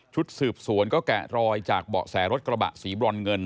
สืบสวนก็แกะรอยจากเบาะแสรถกระบะสีบรอนเงิน